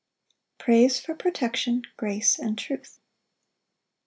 Praise for protection, grace, and truth.